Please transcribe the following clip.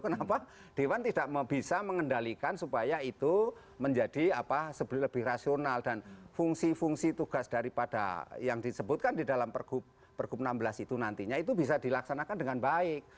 kenapa dewan tidak bisa mengendalikan supaya itu menjadi lebih rasional dan fungsi fungsi tugas daripada yang disebutkan di dalam pergub enam belas itu nantinya itu bisa dilaksanakan dengan baik